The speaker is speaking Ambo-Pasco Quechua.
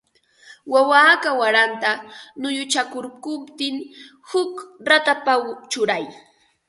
Wawa aka waranta nuyuchakurquptin huk ratapawan churay